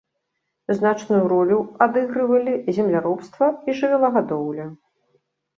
Значную ролю адыгрывалі земляробства і жывёлагадоўля.